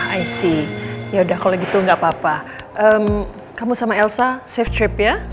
ah i see yaudah kalau gitu gak apa apa kamu sama elsa safe trip ya